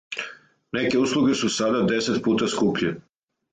Неке услуге су сада десет пута скупље.